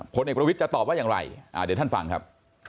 ผลเอกประวิทย์จะตอบว่าอย่างไรเดี๋ยวท่านฟังครับ